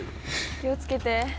気を付けて。